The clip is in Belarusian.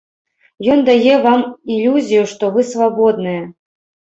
Ён дае вам ілюзію, што вы свабодныя.